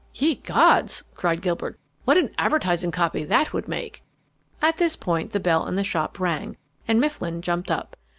"Ye gods," cried Gilbert, "what advertising copy that would make!" At this point the bell in the shop rang, and Mifflin jumped up.